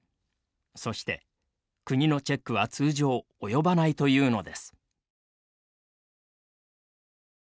そして、国のチェックは通常及ばないというのです。